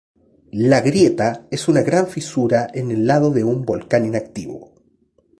La Grieta es una gran fisura en el lado de un volcán inactivo.